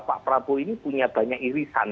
pak prabowo ini punya banyak irisan